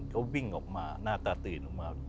เขาวิ่งออกมาหน้าตาตื่นออกมา